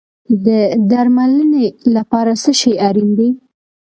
د درملنې لپاره څه شی اړین دی؟